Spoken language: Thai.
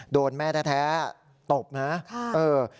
โดนแม่แท้ตบนะเออ